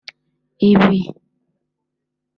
Ibi